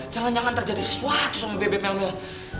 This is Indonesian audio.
jangan jangan terjadi sesuatu sama bebem elmeh